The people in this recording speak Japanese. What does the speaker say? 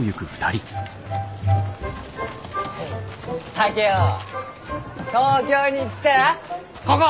竹雄東京に来たらここ！